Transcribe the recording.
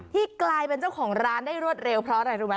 กลายเป็นเจ้าของร้านได้รวดเร็วเพราะอะไรรู้ไหม